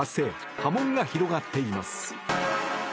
波紋が広がっています。